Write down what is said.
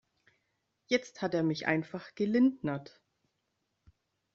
Jetzt hat er mich einfach gelindnert.